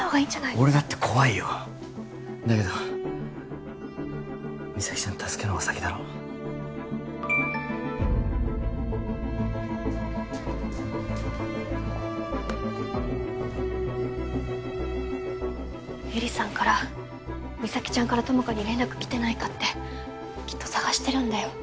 俺だって怖いよだけど実咲ちゃんを助けるほうが先だろ絵里さんから実咲ちゃんから友果に連絡来てないかってきっと捜してるんだよ